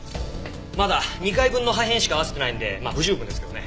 まだ２回分の破片しか合わせてないんでまあ不十分ですけどね。